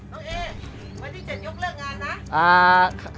เออน้องเอวันที่๗ยกเลิกงานนะ